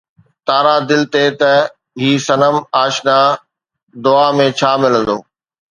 تارا دل ته هي صنم آشنا، دعا ۾ ڇا ملندو؟